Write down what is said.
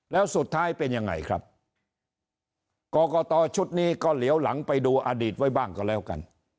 แล้วสุดท้ายเป็นยังไงครับกรกตชุดนี้ก็เหลียวหลังไปดูอดีตไว้บ้างก็แล้วกัน